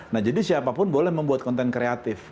nah jadi siapapun boleh membuat konten kreatif